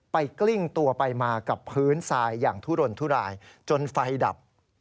กลิ้งตัวไปมากับพื้นทรายอย่างทุรนทุรายจนไฟดับ